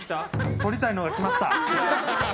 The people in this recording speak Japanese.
撮りたいのが来ました。